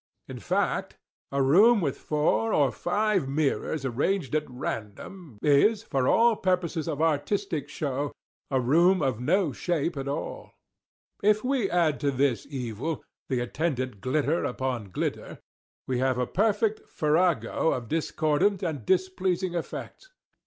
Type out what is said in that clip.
In fact, a room with four or five mirrors arranged at random, is, for all purposes of artistic show, a room of no shape at all. If we add to this evil, the attendant glitter upon glitter, we have a perfect farrago of discordant and displeasing effects.